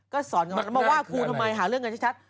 ก็สอนกันมาว่าครูทำไมหาเรื่องกันชัด